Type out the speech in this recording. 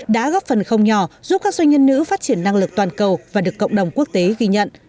đã góp phần không nhỏ giúp các doanh nhân nữ phát triển năng lực toàn cầu và được cộng đồng quốc tế ghi nhận